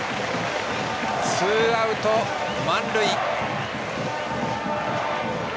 ツーアウト、満塁。